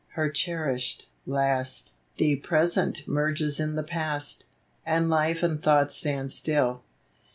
— her cherished— last ; The Present merges in the Past, And Life and Thought stand still.